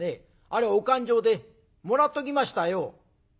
あれはお勘定でもらっときましたよ」。